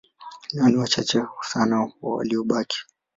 Leo ni wachache sana waliobaki.